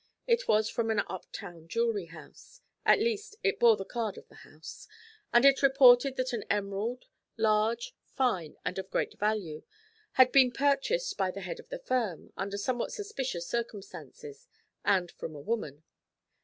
It was from an up town jewellery house at least, it bore the card of the house and it reported that an emerald, 'large, fine, and of great value,' had been purchased by the head of the firm, under somewhat suspicious circumstances, and from a woman.